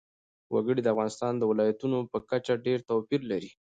وګړي د افغانستان د ولایاتو په کچه ډېر توپیر لري.